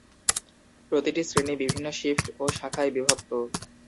প্রতিটি শ্রেণী বিভিন্ন শিফট ও শাখায় বিভক্ত।